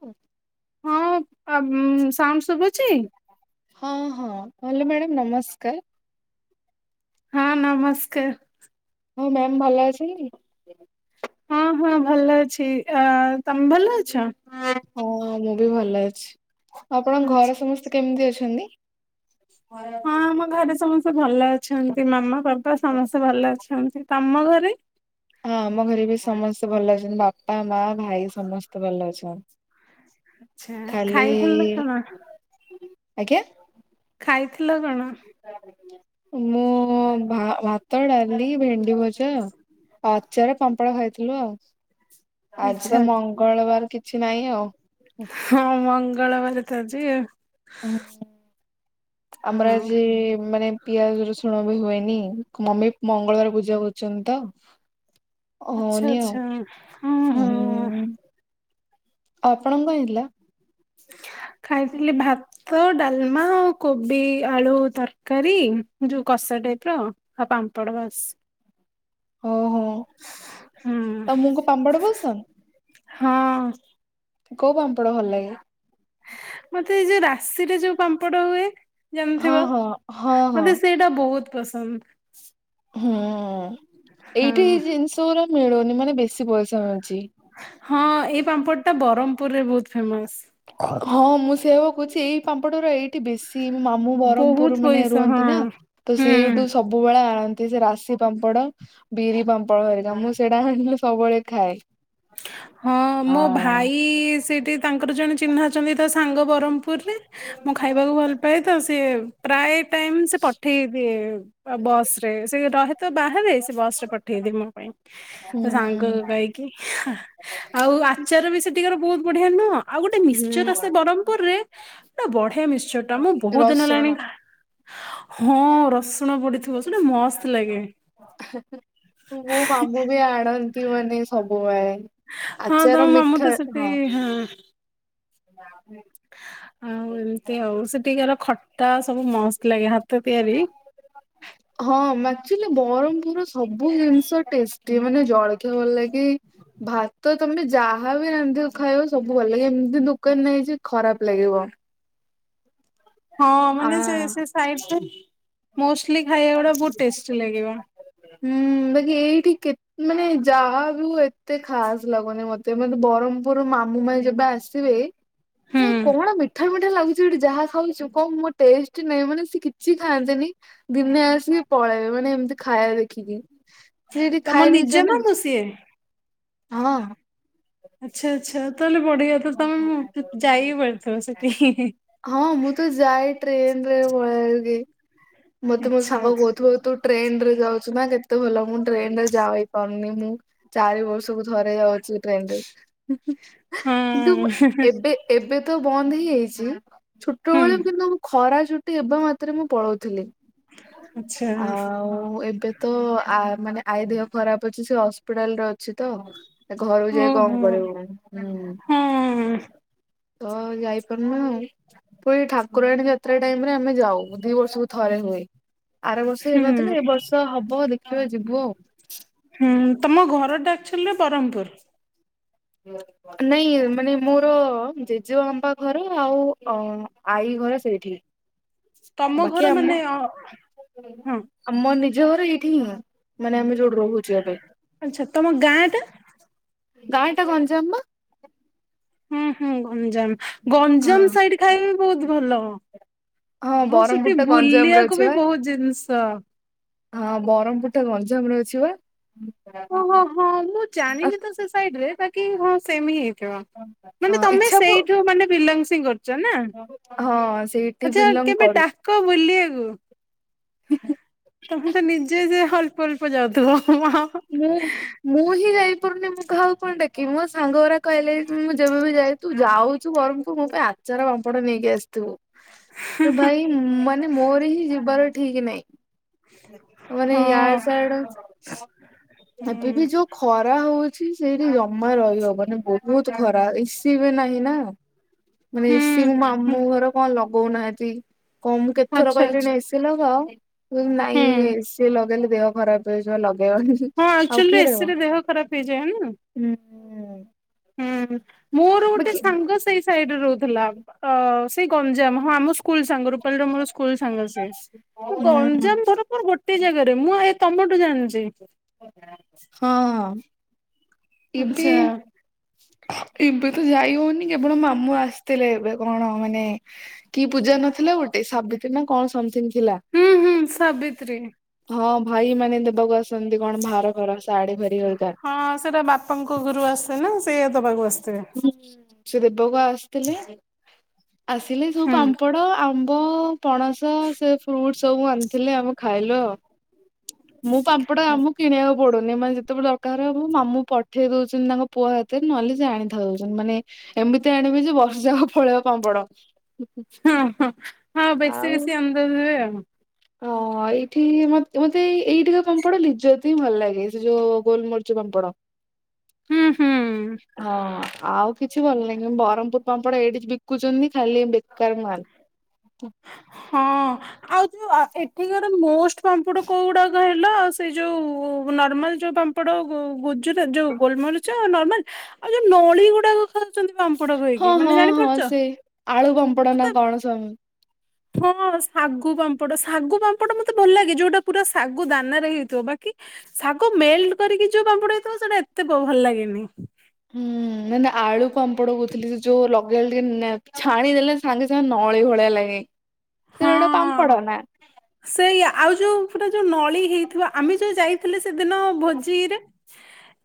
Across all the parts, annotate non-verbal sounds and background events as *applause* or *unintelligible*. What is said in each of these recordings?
ହଁ ହଁ ସାଉଣ୍ଡ ଶୁଭୁଛି। ହଁ ହଁ ହାଲୋ ମ୍ୟାଡ଼ାମ ନମସ୍କାର। ହଁ ନମସ୍କାର। ହଁ ମ୍ୟାମ ଭଲ ଅଛି? ହଁ ହଁ ଭଲ ଅଛି ଅ ତମେ ଭଲ ଅଛ? ହଁ ମୁଁ ବି ଭଲ ଅଛି ଆପଣଙ୍କ ଆଚ୍ଛା ଘରେ ସମସ୍ତେ କେମିତି ଅଛନ୍ତି? ହଁ ଆମ ଘରେ ସମସ୍ତେ ଭଲ ଅଛନ୍ତି ମାମା ବାପା ସମସ୍ତେ ଭଲ ଅଛନ୍ତି ତମ ଘରେ? ହଁ ଆମ ଘରେ ବି ସମସ୍ତେ ଭଲ ଅଛନ୍ତି ବାପା ମା ଭାଇ ସମସ୍ତେ ଭଲ ଅଛନ୍ତି? ଆଛା ଖାଲି ଖାଇଥିଲୁ କଣ? ଆଜ୍ଞା। ଖାଇଥିଲ କଣ? ମୁଁ ଭାତ ଡାଲି ଭେଣ୍ଡି ଭଜା ଆ ଆଚାର ପାମ୍ପଡ ଖାଇଥିଲୁ ଆଉ ଆଜି ଆଚ୍ଛା ତ ମଙ୍ଗଳବାର କିଛି ନାହିଁ ଆଉ ହଁ ମଙ୍ଗଳବାର ତ ଆଜି। ହ ଆମର ହଁ। ଆଜି ମାନେ ପିଆଜ ରଶୁଣ ବି ହୁଏନି ମମି ମଙ୍ଗଳବାର ପୂଜା କରୁଛନ୍ତି ତ? ଆଚ୍ଛା ହଉନିଅ ଆଚ୍ଛା ହଁ। ଉ ଆପଣଙ୍କ କଣ ହେଇଥିଲା? ଖାଇଥିଲି ଭାତ ଡାଲ ମା କୋବି ଆଳୁ ତରକାରୀ ଯୋଉ କଷା ଟାଇପ ର ହଁ ପାମ୍ପଡ଼ ବାସ୍। ଓହୋ ହୁଁ। ତମକୁ ପାମ୍ପଡ ପସନ୍ଦ? ହଁ। କୋଉ ପାମ୍ପଡ ଭଲ ଲାଗେ? ମତେ ଏଇ ଯୋଉ ରାଶିରେ ଯୋଉ ପାମ୍ପଡ ହୁଏ ହଁ ଜାଣିଥିବ ହଁ ହଁ ହଁ ମତେ ସେଇଟା ବହୁତ ପସନ୍ଦ। ହୁଁ ହଁ ଏଇଠି ଏଇ ଜିନିଷ ପୁରା ମିଳୁନି ମାନେ ବେଶୀ ପଇସା ମିଳୁଛି। ହଁ ଏଇ ପାମ୍ପଡ଼ ଟା ବ୍ରହ୍ମପୁର ରେ ବହୁତ ଫେମସ। ହଁ ମୁଁ ସେୟାବା କହୁଛି ଏଇ ପାମ୍ପଡର ଏଇ ଠି ବେଶୀ ମାମୁଁ ବ୍ରହ୍ମପୁର ବହୁତ ମାନେ ପଇସା ହଁ ରୁହନ୍ତି ନା ତ ସେଠୁ ହୁଁ। ସବୁ ସବୁବେଳେ ଆଣନ୍ତି ସେ ରାଶି ପାମ୍ପଡ ବିରି ପାମ୍ପଡ ହେରିକା ମୁଁ ସେଇଟା ଆଣିଲି ସବୁବେଳେ ଖାଏ। ହଁ ମୋ ହଁ। ଭାଇ ସେଠି ତାଙ୍କର ଜଣେ ଚିହ୍ନା ଅଛନ୍ତି ତା ସାଙ୍ଗ ବ୍ରହ୍ମପୁ ପୁରରେ ହୁଁ। ମୁଁ ଖାଇବାକୁ ଭଲ ପାଏ ତ ସିଏ ପ୍ରାୟ ଟାଇମ ସେ ପଠେଇ ଦିଏ। ବସ ରେ ସେ ରହେତ ବାହାରେ ସେ ବସରେ ପଠେଇ ଦିଏ ମୋ ପାଇଁ ତା ସାଙ୍ଗ ହୁଁ। କହିକି ଆଉ ଆଚାର ବି ସେଠିକାର ବହୁତ ବଢିଆ ନୁହଁ ଆଉ ଗୋଟେ ହୁଁ। ମିଶ୍ଚର ସେ ବ୍ରହ୍ମପୁରରେ ନା ବଢିଆ ମିଶ୍ଚରଟା ମୁଁ ବହୁତ ଦିନ ହେଲାଣି। ରସୁଣ। ଖା- ହଁ ରସୁଣ ପଡିଥିବ ସେଟା ମସ୍ତ ଲାଗେ। ମୋ ବାବୁ ବି ଆଣନ୍ତି ମାନେ ସବୁବେଳେ ଆଚାର ମିଠା ହଁ। ହୁଁ। ହଁ ହୁଁ ଆଉ ଏମତି ହଉ ସେଠିକାର ଖଟା ସବୁ ମସ୍ତ ଲାଗେ ହାତ ତିଆରି ହଁ ଆଚୁଲି ବ୍ରହମପୁର ସବୁ ଜିନିଷ ଟେଷ୍ଟି ମାନେ ଜଳଖିଆ ଭଲ ଲାଗେ ଭାତ ତମେ ଯାହାବି ରାନ୍ଧିବ ଖାଇବାକୁ ସବୁ ଭଲ ଲାଗିବ ଏମିତି ଦୋକାନ ନାଇଜେ ଖରାପ ଲାଗିବ ହଁ ମାନେ ଆଁ ସେ ସାଇଟ୍ ରେ ମୋଷ୍ଟଲି ଖାଇବା ଗୁରା ବହୁତ ଟେଷ୍ଟି ଲାଗିବ। ହୁଁ ବାକି ଏଇଠି କେ ମାନେ ଯାହା ବି ହଉ ଏତେ ଖାସ ଲାଗୁନି ମତେ। ସେମାନେ ବ୍ରହ୍ମପୁର ମାମୁମାଇଁ ଯେବେ ଆସିବେ କଣ ମିଠା ମିଠା ଲାଗୁଛି ଏଠି ଯାହା ଖାଉଛୁ କଣ ମୋର ଟେଷ୍ଟ ନାହିଁ ମାନେ ସେ କିଛି ଖାଆନ୍ତିନି ଦିନେ ଆସିକି ପଳେଇବେ ମାନେ ଏମିତି ଖାଇବା ଦେଖିକି। ସେଠି ତମ ଖାଇ ନିଜ ଦେଇଛ ନା ମାମୁଁ ସିଏ? ହଁ। ଆଚ୍ଛା ଆଚ୍ଛା ତାହେଲେ ବଢିଗ ତ ତମେ ଯାଇକି ପାରିଥିବ ସେଠି। ହଁ ମୁଁ ତ ଯାଏ ଟ୍ରେନ ରେ ପଳ କି ମତେ ମୋ ଆଚ୍ଛା। ସାଙ୍ଗ କହୁିବ ତୁ ଟ୍ରେନ ରେ ଯାଉଛିୁ ନା କେତେ ଭଲ ମୁଁ ଟ୍ରେନ ରେ ଯାଇ ପାରୁନି ମୁଁ। ଚାରି ବର୍ଷକୁ ଥରେ ଯାଉଛି ଟ୍ରେନ ରେ। କିନ୍ତୁ ହଁ। ଏବେ ଏବେ ତ ବନ୍ଦ ହେଇଯାଇଛି। ହୁଁ। ଛୋଟବେଳେ କିନ୍ତୁ ମୁଁ ଖରା ଛୁଟି ଏବେ ମାତ୍ରେ ମୁଁ ପଳଉଥିଲି। ଆଚ୍ଛା ଆଉ ଏବେ ତ ଆ ମାନେ ଆଇ ଦେହ ଖରାପ ଅଛି ସେ ହପିଟାଲରେ ଅଛି ତ ଘରକୁ ଯାଇ କଣ ଓହୋ କରିବୁ ହୁଁ। ହଁ ତ ଯାଇପାରୁନ ଆଉ ପୁଣି ଠାକୁରାଣୀ ଯାତ୍ରା ଟାଇମ ରେ ଆମେ ଯାଉ ଦି ବର୍ଷ ଭିତ ଥରେ ହୁଏ ଆର ବର୍ଷ ହୁଁ ହେଇନଥିଲେ ଏ ବର୍ଷ ହବ ଦେଖିବା ଯିବୁ ଆଉ। ହୁଁ ତମ ଘରଟା ଆଚୁଲରେ ବ୍ରରମପୁର? ହ ନାଇଁ ମାନେ ମୋର ଜେଜେ ବାପା ଘର ଆଉ ଆଈ ଘର ସେଇଠି। ତମ ବାକି ଘର ଆମ ମାନେ ହଁ ଆମ ନିଜ ଘର ଏଇଠି ହିଁ ମାନେ ଆମେ ଯୋଉଠି ରହୁଛ ଏବେ। ଆଚ୍ଛା ତମ ଗାଁ ଟା? ଗାଁ ଟା ଗଞ୍ଜାମ ମା। ହୁଁ ହୁଁ ଗଞ୍ଜାମ ହଁ। ଗଞ୍ଜାମ ସାଇଡ ଖାଇବ ବହୁତ ଭଲ। ହଁ ଆଉ ବ୍ରହ୍ମପୁର ସେଠି ଟା ଗଞ୍ଜାମ ରେ ଅଛି ବୁଲିବାକୁ ବି ବା ବହୁତ ଜିନିଷ। ହଁ ବ୍ରରମପୁର ଟା ଗଞ୍ଜାମ ରେ ଅଛି ବା। ଓହୋ ହଁ ମୁଁ ଜାଣିନି ତ ସେ ସାଇଡ ରେ ବାକି ହଁ ସେମି ହି ମାନେ ହଁ ତମେ ଇଚ୍ଛା ହଁ ସେଇଠୁ ମାନେ ବିଲଙ୍ଗଂସ ହିଁ କର ନା ସେଇଠି ଆଛା ବିଲଙ୍ଗ କେବେ କରୁଛି। ଡାକ ବୁଲିବାକୁ। ତମେ ତ ନିଜେ ଯେ ଅଳ୍ପ ଅଳ୍ପ ଯାଉଥିବ ମା ମୁଁ ମୁଁ ହିଁ ଯାଇପାରୁନି ମୁଁ କାହାକୁ କଣ ଡାକିବି ମୋ ସାଙ୍ଗ ଗୁରା କହିଲେ ମୁଁ ଯେବେ ବି ଯାଏ ତୁ ଯାଉଛୁ ବରହ୍ମପୁର ମୋ ପାଇଁ ଆଚାର ପାମ୍ପଟ ନେଇକି ଆସିଥିବୁ। ଭାଇ ମାନେ ମୋର ହିଁ ଯିବାର ଠିକ ନାହିଁ। ମାନେ ୟାଡ ହଁ। ସ୍ୟଡେ ଏବେ ହୁଁ ବି ଯୋଉ ଖରା ହଉଛି ଛି ସେଇଠି ଜମା ରହିବ ମାନେ ବହୁତ ଖରାପ ଏସି ବି ନାହିଁ ନା। ମାନେ ଏସିି ହୁଁ ମୋ ମାମୁ ଘର କଣ ଲଗଉନାହାନ୍ତି କଣ ମୁଁ କେତେଥର ଆଚ୍ଛା ଆଚ୍ଛା କହିଲିଣି ଏସି ନାଇଁ ହୁଁ। ଏସି ଲଗେଇଲେ ଦେହ ଖରାପ ହେଇଯିବ ଲଗେଇବନି। ହଁ ଆଉ ଆକ୍ଚୁଆଲି କିଏ ରହିବ ଏସି ରେ ଦେହ ଖରାପ ହେଇଯାଏ ନା। ହୁଁ ହୁଁ ମୋର ଗୋଟେ ବାକି ସାଙ୍ଗ ସେଇ ସାଇଡରେ ରହୁଥିଲା। ଅ ସେଇ ଗଞ୍ଜାମ ହଁ ଆମ ସ୍କୁଲ ସାଙ୍ଗରୁ ମୋର ସ୍କୁଲ ସାଙ୍ଗସେ ହୁଁ ମୁଁ ଗଞ୍ଜାମ ଧର କଣ ଗୋ କେତେ ଜାଗାରେ ମୁଁ ଏ ତମଠୁ ଜାଣିଛି ହଁ ଟିବି ଆଚ୍ଛା ଏବେ ତ ଯାଇ ହଉନି କେବଳ ମାମୁଁ ଆସିଥିଲେ ଏବେ କଣ ମାନେ କି ପୂଜା ନଥିଲା ଗୋଟେ ସାବିତ୍ରୀ ନା କଣ ସମଥିଙ୍ଗ ଥିଲା ହୁଁ ହୁଁ ସାବିତ୍ରୀ ହଁ ଭାଇ ମାନେ ଦେବାକୁ ଆସନ୍ତି କଣ ଭାର ଫାର ଶାଢୀ ହେରିକା ହଁ ସେଟା ବାପାଙ୍କ ଘରୁ ଆସେ ନା ସେଇଆ ଦବାକୁ ଆସେ ହୁଁ ସେ ଦେବାକୁ ଆସିଥିଲେ ଆସିଲେ ସବୁ ହୁଁ ପାମ୍ପଡ ଆମ୍ବ ପଣସ ସେ ଫ୍ରୁଟସ୍ ସବୁ ଆଣିଥିଲେ ଆମ ଖାଇଲୁ ଆଉ ମୁଁ ପାମ୍ପଡା ଆମ କିଣିବାକୁ ପଡୁନି ମାନେ ଯେତେବେଳେ ଦରକାର ହବ ମାମୁଁ ପଠେଇ ଦଉଛନ୍ତି ତାଙ୍କ ପୁଅ ହାତରେ ନହେଲେ ଜାଣିି ହଉଛନ୍ତି ମାନେ ଏମିତି ଆଣିବେ ଯେ ବର୍ଷ ଯାକ ପଳେଇବ ପାମ୍ପଡ ହଁ ହ ହଁ ବେସ ବେସି ଆଣିଦେଉଥିବେ ଆଉ ହ ଏଇଠି ମତେ ଏଇଠି କା ପାମ୍ପଡ ଲିଜତି ହିଁ ଭଲ ଲାଗେ ସେ ଯୋଉ ଗୋଲମରିଚ ପାମ୍ପଡ ହୁଁ ହୁଁ। ହଁ ଆଉ କିଛି ଭଲ ଲାଗିବନି ବ୍ରହ୍ମପୁର ପାମ୍ପଡ ଏଇଠି ବିକୁଛନ୍ତି ଖାଲି ବେକାର ମାଲ୍ ହଁ ଆଉ ଯୋ ଏଠିକାର ମୋଷ୍ଟ ପାମ୍ପୁଡ କୋଉ ଗୁଡାକ କହି ଲ ଆଉ ସେଇ ଯୋଉ ନର୍ମାଲ ଯୋଉ ପାମ୍ପଡ ଗୁଜୁ ଯୋଉ ଗୋଲମରିଚ ନର୍ମାଲ ଆଉ ଯୋଉ ନଳି ଗୁଡାକ ଖାଉଛନ୍ତି ପାମ୍ପଡ କହିକି ହଁ ମାନେ ହଁ ହଁ ଜାଣିପାରୁଛ? ସେ ଆଳୁ ପାମ୍ପଡ ମତେ ନା କଣ ସ ହଁ ଶାଗୁ ପାମ୍ପଡ ଶାଗୁ ପାମ୍ପଡ ମତେ ଭଲ ଲାଗେ ଯୋଉଟା ପୁରା ଶାଗୁ ଦାନାରେ ହେଇଥିବ ବାକି ଶାଗୁ ମେଲ୍ଟ କରିକି ଯୋଉ ପାମ୍ପୁଡ ହେଇଥିବ ସେଇଟା ଏତେ ଭଲ ଲାଗେନି ହୁଁ ନାଇଁ ନାଇଁ ଆଳୁ ପାମ୍ପଡ କହୁଥିଲି ସେ ଯୋଉ *unintelligible* ଛାଣି ଦେଲେ ସାଙ୍ଗେ ସାଙ୍ଗେ ନଳି ଭଳିଆ ଲାଗେ ପାମ୍ପଡ଼ ନା ସେଇୟା ଆଉ ଯୋଉ ପୁରା ଯୋଉ ନଳୀ ହେଇଥିବ ଆମେ ଯୋଉ ଯାଇ ହେଲେ ସେଦିନ ଭୋଜିରେ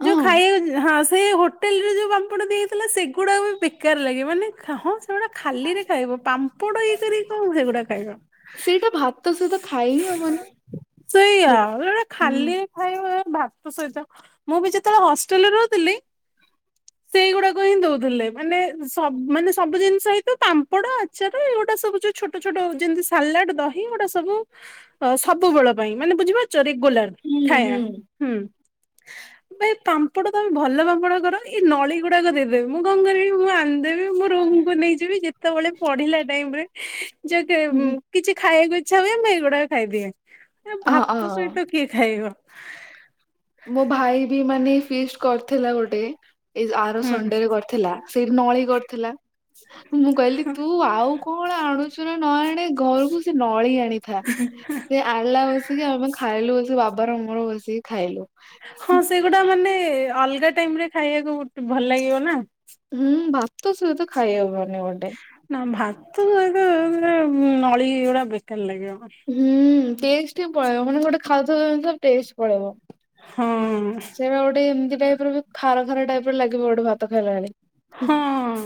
ହଁ ଯୋଉ ଖାଇ ହଁ ସେ ହୋଟେଲରେ ଯଉ ପାମ୍ପଡ଼ ଦେଇଥିଲା ସେଗୁଡ଼ାକ ବି ବେକାର୍ ଲାଗେ ମାନେ ହଁ ସେଗୁଡା ଖାଲିରେ ଖାଇବ ପାମ୍ପଡ ଇଏ କରିକି କଣ ସେଗୁଡା ଖାଇବ ସେଇଟା ଭାତ ସହିତ ଖାଇ ହିଁ ସେଇଆ ହବନି ସେଗୁଡା ହୁଁ *unintelligible* ଭାତ ସହିତ ମୁଁ ବି ଯେତେବେଳେ ହଷ୍ଟେଲରେ ରହୁଥିଲି *inaudible* ସେଇଗୁଡାକ ହିଁ ଦଉଥିଲେ ମାନେ ମାନେ ସବୁ ଜିନିଷ ହେଇଥିବ ପାମ୍ପଡ ଆଚାର ଏଗୁଡା ସବୁ ଛୋଟ ଛୋଟ ଛୋଟ ଯେମିତି ସାଲାଡ଼ ଦହି ଏ ଗୋଟା ସବୁ ସବୁବେଳ ପାଇଁ ମାନେ ବୁଝିପାରୁଛ ରେଗୁଲାର ହୁଁ ହୁଁ। ଖାଇବା ହୁଁ ଭାଇ ପାମ୍ପଡ଼ ତମେ ଭଲ ପାମ୍ପଡ କର ଏଇ ନଳି ଗୁଡାକ ଦେଇଦେବେ ମୁଁ କଣ କରିବି ମୁଁ ଆଣିଦେବି ମୋ ରମ୍ ଙ୍କୁ ନେଇଯିବି ଯେ ସେତେବେଳେ ପଢିଲା ଟାଇମରେ ଯଉ ହୁଁ କିଛି ଖାଇବାକୁ ଇଚ୍ଛା ହୁଏ ମୁଁ ଏଗୁଡାକ ଖାଇଦିଏ ଏ ହଁ ଭାତ ହଁ ସହିତ କିଏ ଖାଇବ ମୋ ଭାଇ ବି ମାନେ ଫିଷ୍ଟ୍ କରିଥିଲା ଗୋଟେ ଏ ଆର ହୁଁ ସଣ୍ଡେରେ କରି ଥିଲା ସେଇଠି ନଳି କରିଥିଲା ମୁଁ କହିଲି ତୁ ଆଉ କଣ ଆଣୁ ନା ନ ଆଣେ ଘରକୁ ସେ ନଳି ଆଣିଥା ସେ ଆଣିଲା ବସିକି ଆମେ ଖାଇଲୁ ବସିକି ବାବାର ମୋର ବସିକି ଖାଇଲୁ ହଁ ସେଗୁଡା ମାନେ ଅଲଗା ଟାଇମରେ ଖାଇବାକୁ ଭଲ ଲାଗିବ ନା, ହୁଁ ଭାତ ସହିତ ଖାଇ ହବନି ଗୋଟେ, ନ ଭାତ ସହିତ ଏଗୁଳା ନଳି ଗୁଡ଼ା ବେକାର୍ ଲାଗିବ, ହୁଁ ଟେଷ୍ଟି ପଳେଇବ ମାନେ ଗୋଟେ ଖାଉଥିବ ଜିଷ ଟେଷ୍ଟ୍ ପଳେଇବ, ହଁ, ଏଗୁଳା ଗୋଟେ ଏମିତି ଟାଇପ୍ ର ବି ଖାର-ଖାର ଟାଇପ୍ ର ଲାଗିବ ଗୋଟେ ଭାତ ଖାଇଲା ବେଳେ ହୁଁ, ହଁ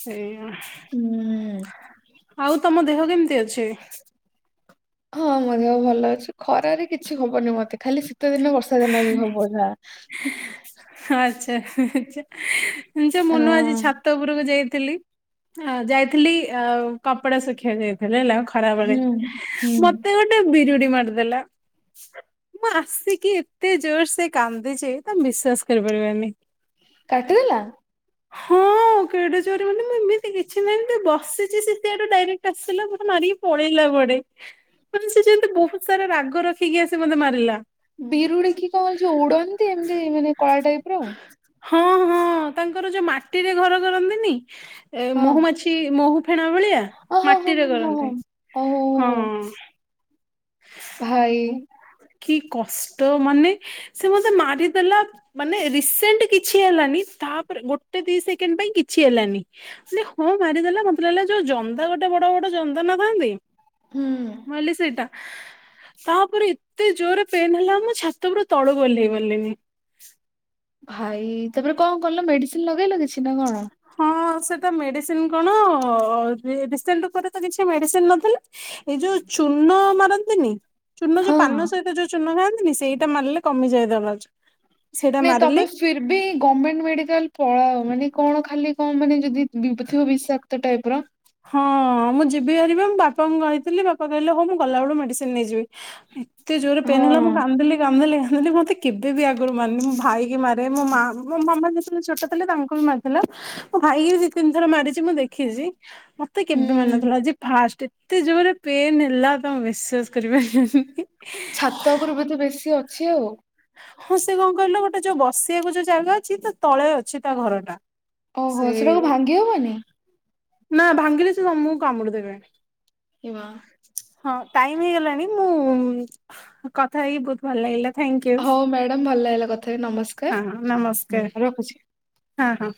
ସେଇଆ, ହୁଁ, ଆଉ ତମ ଦେହ କେମିତି ଅଛି? ହଁ ମୋ ଦେହ ଭଲ ଅଛି ଖରାରେ କିଛି ହବନି ମତେ ଖାଲି ସେ ଶିତ ଦିନ ବର୍ଷା ଦିନ ବି ହବ ଯା। ହଁ ଆଚ୍ଛା-ଆଚ୍ଛା ଯୋଉ ମୁନୁ ଆଜି ଛାତପୁରକୁ ଯାଇଥିଲି, ହଁ ଯାଇଥିଲି ଆ କପଡ଼ା ଶୁଖିବାକୁ ଯାଇଥିଲା ହେଲା ଅ ଖରାବେଳେ ହୁଁ ହୁଁ ମତେ ଗୋଟ୍ ନା ବିଜୁଡ଼ି ମାରି ଦେଲା କଣ ଆସ୍ ସେ କି ଏତେ ଜୋର ସେ କାଦୀଛି ତାମ୍ ବିଶ୍ଵାସ୍ କରିପାରିବନି, କାଟିଦେଲା, ହଁ, ହଉ କେଡେ ଚୋରେ ମନେ-ମନେ ଏମିତି କିଛି ନାହିଁ ତୁ ବସିଛି ସେଆଡ଼ୁ ଡାଇରେକ୍ଟ୍ ଆସିଲା ମତେ ମାରିକି, ପଳେଇଲା ବଡେ ମାନେ ସେ ଯେମିତି ବହୁତ୍ ସାରା ରାଗ ରଖିକି ଆସି ମତେ ମାରିଲା, ବିରୁଡି଼କି କଣଛ ଉଡ଼ନ୍ତି ଏମିତି ମାନେ କଳା ଟାଇପ୍ ର ଆଉ, ହଁ-ହଁ ତାଙ୍କର ଯୋଉ ମାଟିରେ ଘର କରନ୍ତିନି ଏ ମହୁମାଛି, ତି ମହୁ ଫେଣା ଭଳିଆ ଓ ହଁ ହଁ ମାଟିରେ ହଁ ହଁ ହଁ କରନ୍ତି ଓହୋ ହଁ, ଭାଇ, କି କଷ୍ଟ ମାନେ ସେ ମତେ ମାରିଦେଲା, ମାନେ ରିସେଣ୍ଟ୍ କିଛି ହେଲାନି ତାପରେ ଗୋଟେ ଦି ସେକେଣ୍ଡ୍ ପାଇଁ କିଛି ହେଲାନି, ଥିଲେ ହଁ ମାରିଦେଲା ମତେ ଲାଗିଲା ଯୋଉ ଜନ୍ଦା ଗୋଟେ ବଡ଼-ବଡ଼ ଜନ୍ଦା ନ ଥାନ୍ତି, ହୁଁ ମଲି ସେଇଟା, ତାପରେ ଏତେ ଜୋରରେ ପେନ୍ ହେଲା ମୁଁ ଛାତ ଉପୁରା ତଳକୁ ଗହ୍ଲେଇ ଗଲିନି, ଭାଇ ତାପରେ କଁ କଲ ମେଡ଼ିସିନ୍ ଲଗେଇଲ କିଛି ନା କଣ, ହଁ ସେଟା ମେଡ଼ିସିନ୍ କଣ ଡି ଡିଟେନ୍ ଉପରେ ତ କିଛି ମେଡ଼ିସିନ୍ ନ ଥିଲା, ଏଇ ଯୋଉ ଚୂନ ମାରନ୍ତିନି, ଚୂନ ଯୋଉ ହଁ। ପାନ୍ ସହିତ ଯୋଉ ଚୂନ ଖାଆନ୍ତିନି ସେଇଟା ମାରିଲେ କମି ଯାଏ ଦରଦ୍, ନାଇଁ ତମେ ଫିର୍ ବି ଗଭର୍ମେଣ୍ଟ୍ ମେଡିକାଲ ପଳାଅ ମାନେ କଣ ଖାଲି କଁ ମାନେ ଯଦି, ବିପତି ଓ ବିଷାକ୍ତ୍ ଟାଇପ୍ ର, ହଁ ମୁଁ ଯିବି ପାରିବି ମୁଁ ବାପାଙ୍କୁ କହିଥିଲି ବାପା କହିଲେ ହଉ ମୁଁ ଗଲାବେଡ଼ୁ ମେଡ଼ିସିନ୍ ନେଇଯିବିହ ହିଁ, ଏତେ ଜୋରେ ପେନ୍ ହେଲା ମୁଁ ହଁ। କନ୍ଦିଲି-କାନ୍ଦିଲି-କାନ୍ଦିଲି ମତେ, କେବେ ବି ଆଗରୁ ମାରନି ମୋ ଭାଇ କି ମାରେ ମୋ ମା ମୋ ମାମା ଯେତେବେଳେ ଛୋଟ ଥିଲେ ତାଙ୍କୁ ବି ମାରିଥିଲା, ମୁଁ ଭାଇକି ଦି ତିନି ଥର ମାରିଛି ମୁଁ ଦେଖିଛି ମତେ ହୁଁ କେବେ ମାନଥିଲା, ଫାଷ୍ଟ୍ ଏତେ ଜୋରରେ ପେନ୍ ହେଲା ତମ ବିଶ୍ଵାସ୍ କରିପାରିବେ ନି, ଛାତ ଉପରୁ ବି ତ ବେଶୀ ଅଛି ଆଉ, ହଁ ସେ କଁ କହିଲ ଗୋଟେ ଯୋଉ ବସିବାକୁ ଯୋଉ ଜାଗା ଅଛି ତ ତଳେ ଅଛି ତା ଘରଟା, ଓହୋ ସେଇ ସେଟାକୁ ଭାଙ୍ଗି ହବନି? ନା ଭାଙ୍ଗିଲେ ସେ ତମକୁ କାମୁଡି ଦେବେ, ହିବା, ହଁ ଟାଇମ୍ ହେଇଗଲାଣି ମୁଁ କଥା ହେଇକି ବହୁତ୍, ଭଲଲାଗିଲା ଥ୍ୟାଙ୍କୟୁ ହଉ ମ୍ୟାଡାମ ଭଲ ଲାଗିଲା କଥା ହେଇକି ନମସ୍କା ହଁ ନମସ୍କାର ହଁ ହଁ।